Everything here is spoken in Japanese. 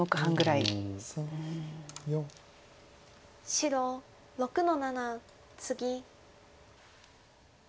白６の七ツギ。